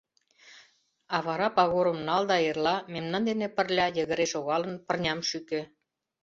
А вара пагорым нал да эрла, мемнан дене пырля йыгыре шогалын, пырням шӱкӧ.